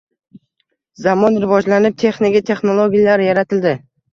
Zamon rivojlanib, texnika, texnologiyalar yaratildi.